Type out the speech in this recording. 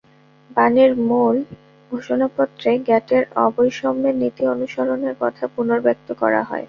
বালির মূল ঘোষণাপত্রে গ্যাটের অবৈষম্যের নীতি অনুসরণের কথা পুনর্ব্যক্ত করা হয়।